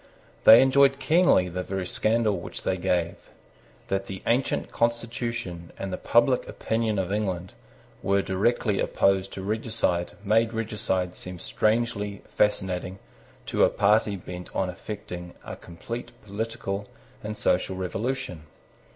They enjoyed keenly the very scandal which they gave. That the ancient constitution and the public opinion of England were directly opposed to regicide made regicide seem strangely fascinating to a party bent on effecting a complete political and social revolution.